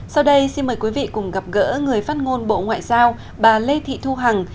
sau đây xin mời quý vị cùng gặp gỡ người phát ngôn bộ ngoại giao bà lê thị thu hằng